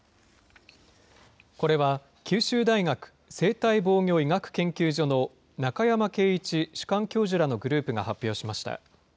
これは九州大学生体防御医学研究所の中山敬一主幹教授らのグループが発表しました。